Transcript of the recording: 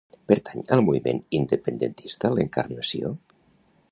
Pertany al moviment independentista l'Encarnació?